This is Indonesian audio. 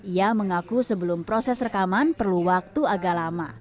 ia mengaku sebelum proses rekaman perlu waktu agak lama